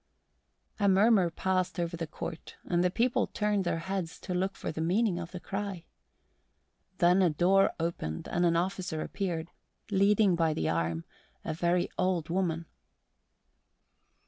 A murmur passed over the court and the people turned their heads to look for the meaning of the cry. Then a door opened and an officer appeared, leading by the arm a very old woman.